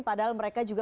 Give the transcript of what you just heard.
padahal mereka juga